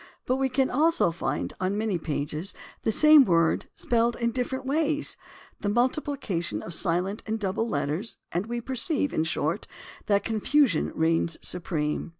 But we can also find on many pages the same word spelled in different ways, the multiplication of silent and double letters, and we perceive, in short, that confusion reigns supreme.